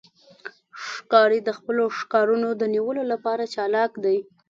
ښکاري د خپلو ښکارونو د نیولو لپاره چالاک دی.